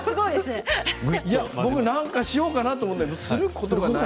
僕が何かしようかなと思ったけれど、するところがない。